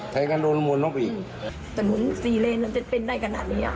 ใช่อยากต้องมาครับต้องมา